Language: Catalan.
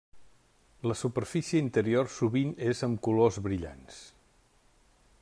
La superfície interior sovint és amb colors brillants.